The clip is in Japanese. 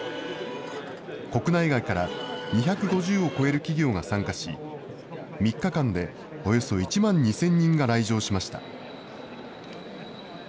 国内外から、２５０を超える企業が参加し、３日間でおよそ１万２０００人が来場しました。